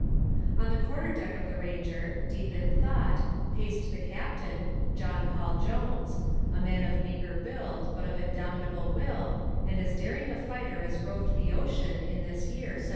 On the quarter deck of the Ranger, deep in thought, paced the captain, John Paul Jones, a man of meagre build but of indomitable will, and as daring a fighter as roved the ocean in this year 1778.